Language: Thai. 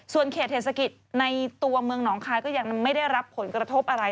ส่วนเขตเทศกิจในตัวเมืองหนองคายก็ยังไม่ได้รับผลกระทบอะไร